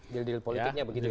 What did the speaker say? deal deal politiknya begitu ya